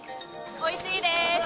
おいしいでーす。